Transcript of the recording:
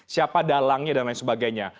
siapa dalangnya dan lain sebagainya